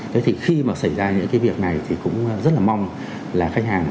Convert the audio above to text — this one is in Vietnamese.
thế thì khi mà xảy ra những cái việc này thì cũng rất là mong là khách hàng